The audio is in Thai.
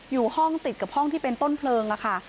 อยู่ห้องติดกับห้องที่เป็นต้นเพลิงค่ะ